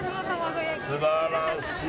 素晴らしい。